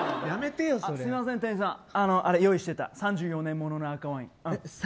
すみません、店員さん用意していた３４年物の赤ワイン。